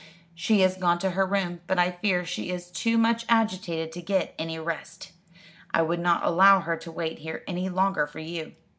"She has gone to her room, but I fear she is too much agitated to get any rest. I would not allow her to wait here any longer for you."